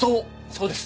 そうです。